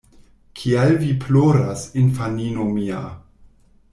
Kial vi ploras, infanino mia?